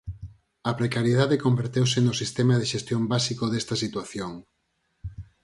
A precariedade converteuse no sistema de xestión básico desta situación.